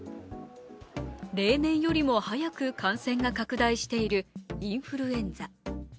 例年よりも早く感染が拡大しているインフルエンザ。